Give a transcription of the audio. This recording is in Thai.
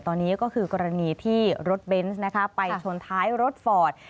ตอนนี้ก็คือกรณีที่รถเบนส์นะคะไปชนท้ายรถฟอร์ด